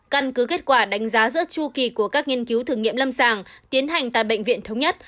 căn cứ kết quả đánh giá giữa chu kỳ của các nghiên cứu thử nghiệm lâm sàng tiến hành tại bệnh viện thống nhất